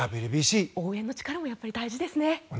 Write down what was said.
応援の力もやっぱり大事ですね。